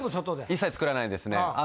一切作らないですね。